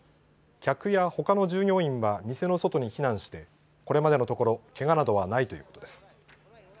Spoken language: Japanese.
客やほかの従業員は店の外に避難してこれまでのところけがなどはないということです。